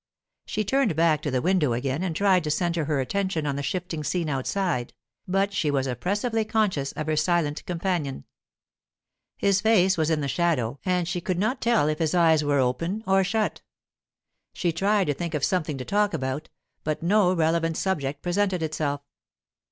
She turned back to the window again and tried to centre her attention on the shifting scene outside, but she was oppressively conscious of her silent companion. His face was in the shadow and she could not tell whether his eyes were open or shut. She tried to think of something to talk about, but no relevant subject presented itself.